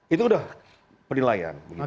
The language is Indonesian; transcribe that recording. itu udah penilaian